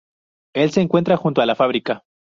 El se encuentra junto a la fábrica.